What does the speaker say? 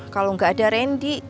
kalau gak ada rendi